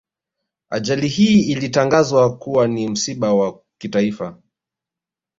Ajali hii ilitangazwa kuwa ni msiba wa kitaifa